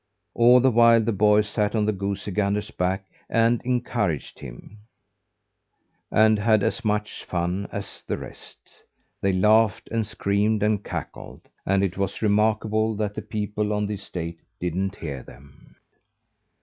All the while, the boy sat on the goosey gander's back and encouraged him, and had as much fun as the rest. They laughed and screamed and cackled, and it was remarkable that the people on the estate didn't hear them.